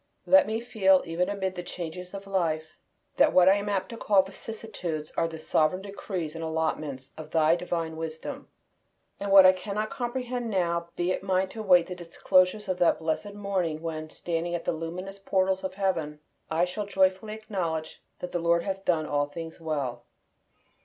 Let me feel, even amid the changes of life, that what I am apt to call vicissitudes, are the sovereign decrees and allotments of Thine infinite wisdom; and what I cannot comprehend now, be it mine to wait the disclosures of that blessed morning when, standing at the luminous portals of Heaven, I shall joyfully acknowledge that the Lord hath done all things well.